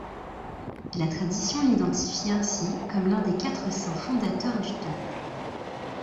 La tradition l’identifie ainsi comme l’un des quatre saints fondateurs du temple.